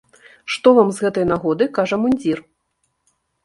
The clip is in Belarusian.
Што вам з гэтай нагоды кажа мундзір?